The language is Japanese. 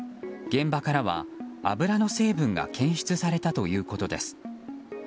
現場からは油の成分が検出されたということです。